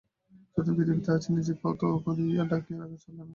যতদিন পৃথিবীতে আছি নিজেকে অত করিয়া ঢাকিয়া রাখা চলে না।